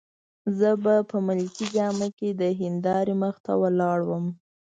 زه په ملکي جامه کي د هندارې مخې ته ولاړ وم.